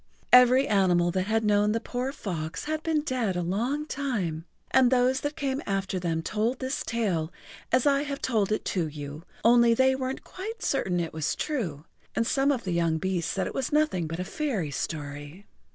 Every animal that had known the poor fox had been dead a long time, and those that came after them told this tale as I have told it to you, only they weren't quite certain it was true, and some of the young beasts said it was nothing but a fairy story.